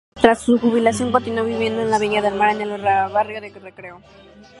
Tras su jubilación, continuó viviendo en Viña del Mar, en el barrio de Recreo.